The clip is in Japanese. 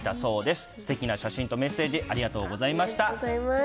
すてきな写真とメッセージ、ありありがとうございます。